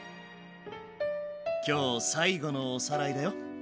今日最後のおさらいだよ。